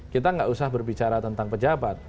kita nggak usah berbicara tentang pejabat